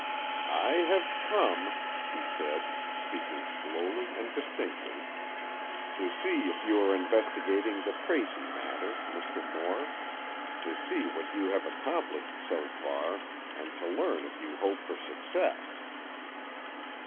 "I have come," he said, speaking slowly and distinctly, "to see if you are investigating the Tracy matter, Mr. Moore. To see what you have accomplished so far and to learn if you hope for success."